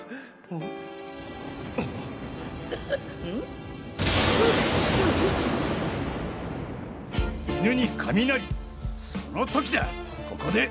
うっ犬に雷その時だここで！